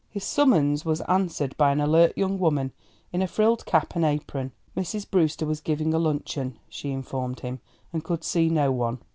His summons was answered by an alert young woman in a frilled cap and apron. Mrs. Brewster was giving a luncheon, she informed him, and could see no one.